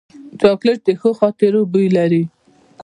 چاکلېټ د ښو خاطرو بوی لري.